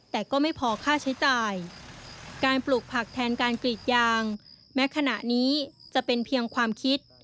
แต่ก็ไม่พอค่าใช้จ่ายการปลูกผักแทนการกรีดยางแม้ขณะนี้จะเป็นเพียงความคิด